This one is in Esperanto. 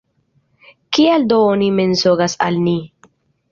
Kial do oni mensogas al ni?